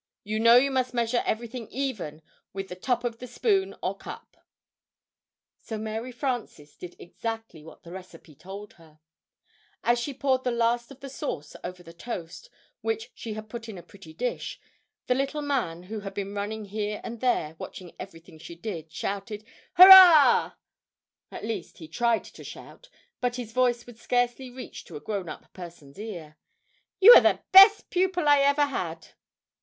You know you must measure everything even with the top of the spoon, or cup." [Illustration: "Hurrah!"] So Mary Frances did exactly what the recipe told her. [Illustration: To look over the edge of the dish] As she poured the last of the sauce over the toast, which she had put in a pretty dish, the little man, who had been running here and there, watching everything she did, shouted, "Hurrah!" At least, he tried to shout, but his voice would scarcely reach to a grown up person's ear. "You are the best pupil I ever had!"